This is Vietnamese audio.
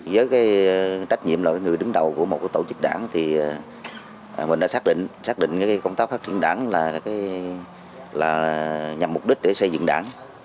với cái trách nhiệm là người đứng đầu của một tổ chức đảng thì mình đã xác định xác định công tác phát triển đảng là nhằm mục đích để xây dựng đảng